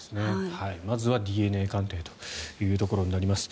まずはＤＮＡ鑑定というところになります。